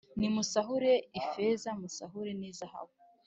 Nimusahure ifeza musahure n izahabu